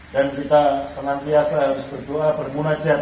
dan kita senantiasa harus berdoa bermunajat